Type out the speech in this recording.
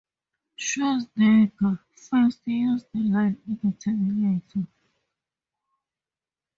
Schwarzenegger first used the line in The Terminator.